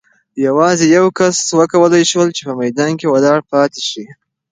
یوازې یو کس وکولای شول چې په میدان کې ولاړ پاتې شي.